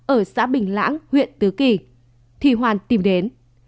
ở xã bình lãng huyện tứ kỳ thì hoàn tìm đến